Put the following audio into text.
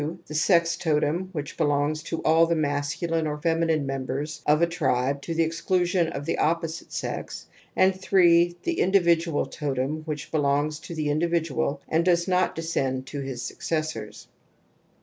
The sex totpm^ hich belongs to all the Imasculine or feminine members of a tribe to the Wxclusion of the opposite sex, and 1 8. The i ndividual totem^ hich belonffs to the mdividual and does not descend to his successors.